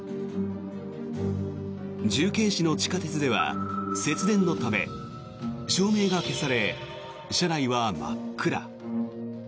重慶市の地下鉄では節電のため照明が消され、車内は真っ暗。